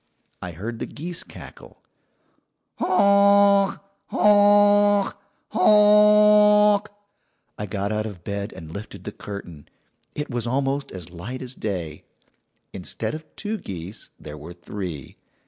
"I heard the geese cackle. "'Honk! honk! honk!' "I got out of bed and lifted the curtain. It was almost as light as day. "Instead of two geese there were three.